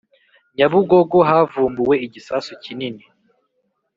Nyabugogo havumbuwe igisasu kinini